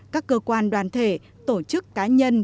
các cơ quan đoàn thể tổ chức cá nhân